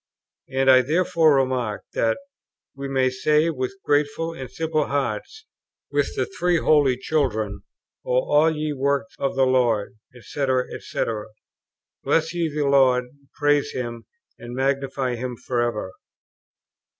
and I therefore remark that "we may say with grateful and simple hearts with the Three Holy Children, 'O all ye works of the Lord, &c., &c., bless ye the Lord, praise Him, and magnify Him for ever.'"